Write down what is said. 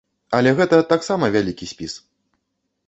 Але гэта таксама вялікі спіс.